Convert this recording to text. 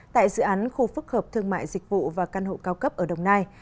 tại dự án khu phức hợp thương mại dịch vụ và căn hộ cao cấp ở đồng nai